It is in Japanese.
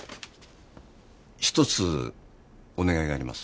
１つお願いがあります。